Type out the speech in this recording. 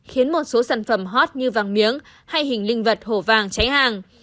khiến một số sản phẩm hot như vàng miếng hay hình linh vật hổ vàng cháy hàng